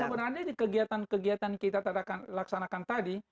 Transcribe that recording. sebenarnya di kegiatan kegiatan kita laksanakan tadi